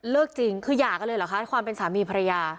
จริงคือหย่ากันเลยเหรอคะความเป็นสามีภรรยา